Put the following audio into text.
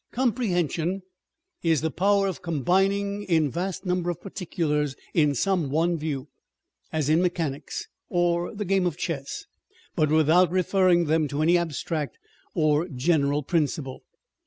Comprehension is the power of combining a vast number of particulars in some one view, as in mechanics, or the game of chess, but without referring them to any abstract or general principle.